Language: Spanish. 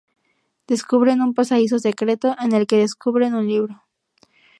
Descubren un pasadizo secreto, en el que descubren un libro.